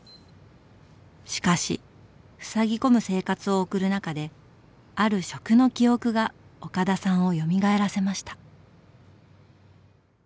しかしふさぎ込む生活を送る中である食の記憶が岡田さんをよみがえらせました。